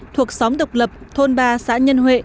thuộc xóm độc lập thôn ba xã nhân huệ